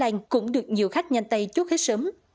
các lãng cũng được nhiều khách nhanh tay chốt hết sớm